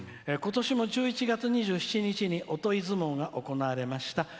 「ことしも１１月２７日に相撲が行われました。